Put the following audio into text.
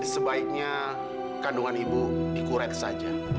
sebaiknya kandungan ibu dikurek saja